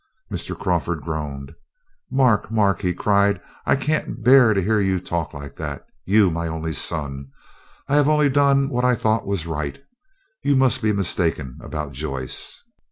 Mr. Crawford groaned. "Mark, Mark," he cried, "I can't bear to hear you talk like that, you my only son. I have only done what I thought was right. You must be mistaken about Joyce."